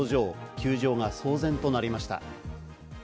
球場が騒然となりました。